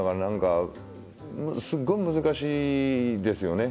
すごい難しいですよね。